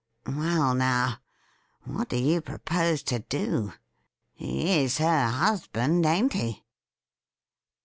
Well, now, what do you propose to do ? He is her husband, ain't he